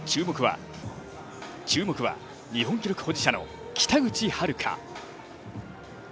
注目は日本記録保持者の北口榛花。